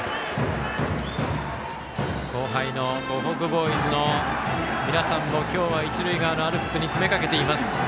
後輩の湖北ボーイズの皆さんも今日は一塁側のアルプスに詰めかけています。